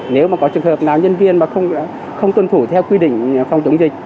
nếu có trường hợp nào nhân viên không tuân thủ theo quy định phòng chống dịch